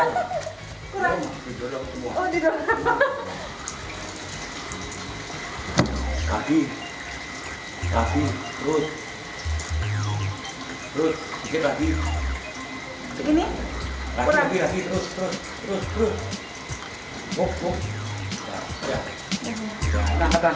god ini begitu keras